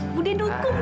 budi dukung budi